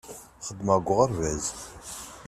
Xeddmeɣ deg uɣerbaz.